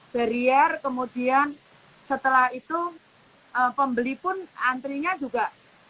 barrier kemudian setelah itu pembeli pun antrinya juga